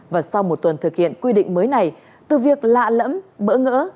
và sau một tuần thực hiện quy định mới này từ việc lạ lẫm bỡ ngỡ